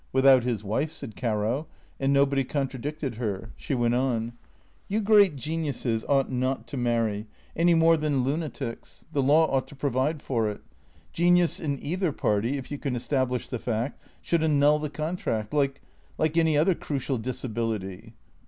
" Without his wife," said Caro, and nobody contradicted her. She went on. " You great geniuses ought not to marry, any more than luna tics. The law ought to provide for it. Genius, in either party, if you can establish the fact, should annul the contract, like — like any other crucial disability."